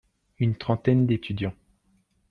Une trentaine d'étudiants.